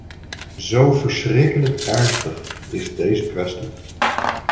Zo verschrikkelijk ernstig is deze kwestie.